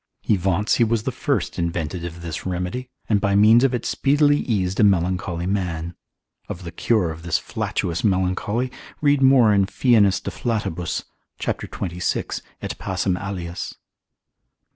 He vaunts he was the first invented this remedy, and by means of it speedily eased a melancholy man. Of the cure of this flatuous melancholy, read more in Fienus de Flatibus, cap. 26. et passim alias.